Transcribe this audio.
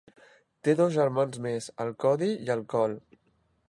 Té dos germans més, el Cody i el Colt.